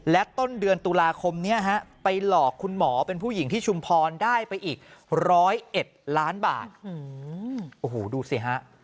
และต้นเดือนตุลาคมนี้ฮะไปหลอกคุณหมอเป็นผู้หญิงที่ชุมพรได้ไปอีก๑๐๑ล้านบาทโอ้โหดูสิฮะ